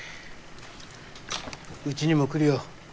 うちにも来るよ。